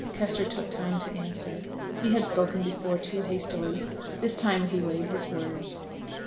Kester took time to answer. He had spoken before too hastily, this time he weighed his words.